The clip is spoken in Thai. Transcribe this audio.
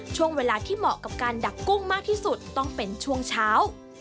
ช่วงเวลาที่เหมาะกับการดักกุ้งมากที่สุดต้องเป็นช่วงเช้า